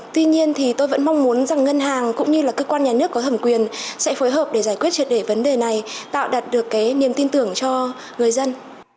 tuy nhiên thì tôi vẫn mong muốn rằng ngân hàng cũng như là cơ quan nhà nước có thẩm quyền sẽ phối hợp để giải quyết triệt để vấn đề này tạo đạt được cái niềm tin tưởng cho người dân